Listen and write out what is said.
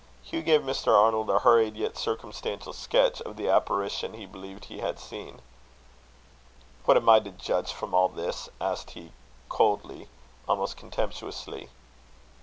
Hugh gave Mr. Arnold a hurried yet circumstantial sketch of the apparition he believed he had seen. "What am I to judge from all this?" asked he, coldly, almost contemptuously.